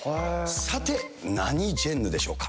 さて、何ジェンヌでしょうか？